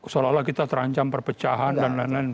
seolah olah kita terancam perpecahan dan lain lain